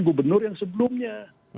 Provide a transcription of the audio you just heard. gubernur yang sebelumnya